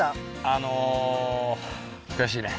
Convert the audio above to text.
あの悔しいね。